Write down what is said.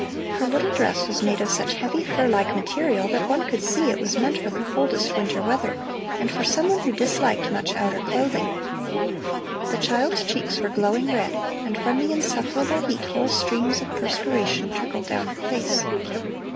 Her little dress was made of such heavy, fur like material that one could see it was meant for the coldest winter weather, and for someone who disliked much outer clothing. The child's cheeks were glowing red, and from the insufferable heat whole streams of perspiration trickled down her face.